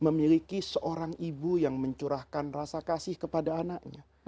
memiliki seorang ibu yang mencurahkan rasa kasih kepada anaknya